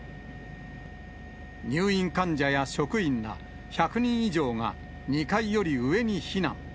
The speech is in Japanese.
入院患者や職員ら１００人以上が２階より上に避難。